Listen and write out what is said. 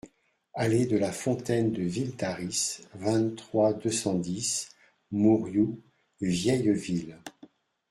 Allée de la Fontaine de Villedaris, vingt-trois, deux cent dix Mourioux-Vieilleville